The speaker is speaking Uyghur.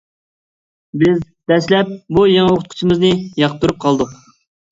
بىز دەسلەپ بۇ يېڭى ئوقۇتقۇچىمىزنى ياقتۇرۇپ قالدۇق.